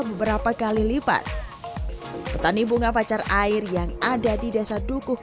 beberapa kali lipat petani bunga pacar air yang ada di desa dukuh keluang jawa timur juga berhasil